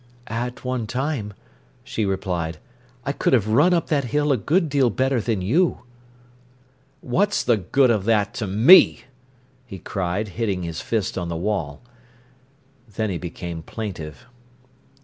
"At one time," she replied, "I could have run up that hill a good deal better than you." "What's the good of that to me?" he cried, hitting his fist on the wall. Then he became plaintive.